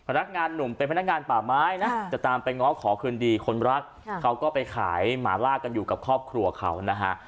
นักงานหนุ่มเป็นพนักงานป่าไม้นะจะตามไปง้อขอคืนดีคนรักเขาก็ไปขายหมาล่ากันอยู่กับครอบครัวเขานะฮะ